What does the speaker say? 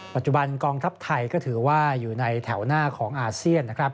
กองทัพไทยก็ถือว่าอยู่ในแถวหน้าของอาเซียนนะครับ